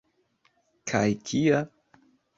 Kaj kia?